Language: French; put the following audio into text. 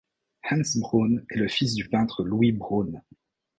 Hanns Braun est le fils du peintre Louis Braun.